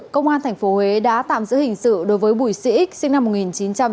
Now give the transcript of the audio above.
công an tp hcm đã tạm giữ hình sự đối với bùi sĩ x sinh năm một nghìn chín trăm chín mươi hai